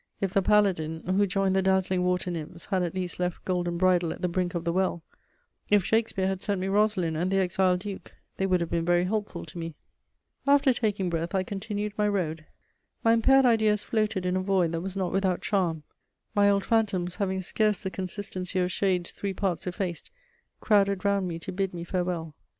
If the paladin, who joined the dazzling water nymphs, had at least left Golden Bridle at the brink of the well; if Shakespeare had sent me Rosalind and the Exiled Duke, they would have been very helpful to me. After taking breath I continued my road. My impaired ideas floated in a void that was not without charm; my old phantoms, having scarce the consistency of shades three parts effaced, crowded round me to bid me farewell.